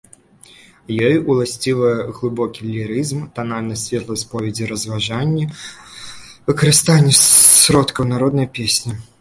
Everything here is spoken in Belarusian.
Ёй уласцівыя глыбокі лірызм, танальнасць светлай споведзі-разважанні, выкарыстанне сродкаў народнай песні.